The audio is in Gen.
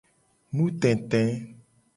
Nutete.